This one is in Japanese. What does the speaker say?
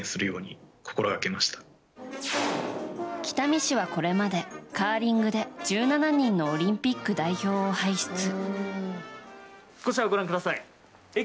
北見市はこれまでカーリングで１７人のオリンピック代表を輩出。